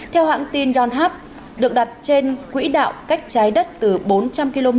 theo hãng tin yonhap được đặt trên quỹ đạo cách trái đất từ bốn trăm linh km đến sáu trăm linh km